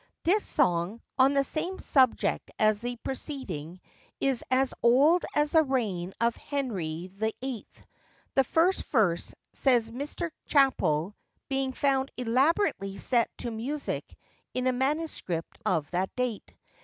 [THIS song, on the same subject as the preceding, is as old as the reign of Henry VIII., the first verse, says Mr. Chappell, being found elaborately set to music in a manuscript of that date.